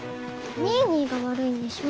ニーニーが悪いんでしょ。